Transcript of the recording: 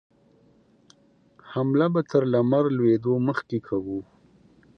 حمله به تر لمر لوېدو مخکې کوو.